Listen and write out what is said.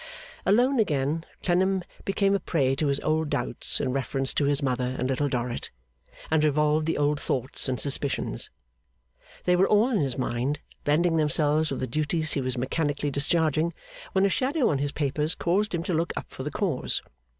Alone again, Clennam became a prey to his old doubts in reference to his mother and Little Dorrit, and revolved the old thoughts and suspicions. They were all in his mind, blending themselves with the duties he was mechanically discharging, when a shadow on his papers caused him to look up for the cause.